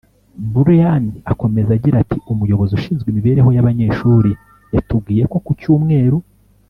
Brian akomeza agira ati umuyobozi ushinzwe imibereho y abanyeshuri yatubwiye ko ku cyumweru